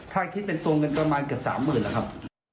ถ้าคิดเป็นตัวเงินประมาณเกือบ๓๐๐๐นะครับ